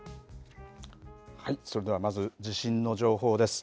それではまず地震の情報です。